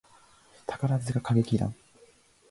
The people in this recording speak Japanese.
宝塚歌劇団